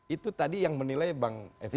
itu tadi yang menilai bang fri